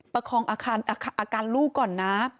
คองอาการลูกก่อนนะ